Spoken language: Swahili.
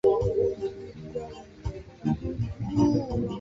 kitabia ni tofauti na zile zinazozungumzwa namakundi